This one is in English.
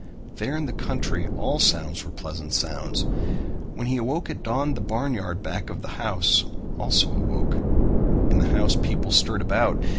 There in the country all sounds were pleasant sounds. When he awoke at dawn the barnyard back of the house also awoke. In the house people stirred about.